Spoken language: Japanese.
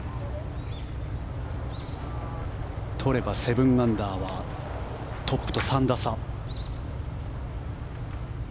取れば７アンダーはトップと３打差。